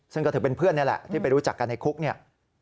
ซึ่งก็ถือเป็นเพื่อนนี่แหละที่ไปรู้จักกันในคุกเนี่ย